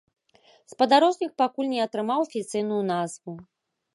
Спадарожнік пакуль не атрымаў афіцыйную назву.